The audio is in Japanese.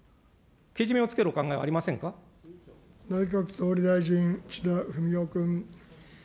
けじめをつけるお考えはありませ内閣総理大臣、岸田文雄君。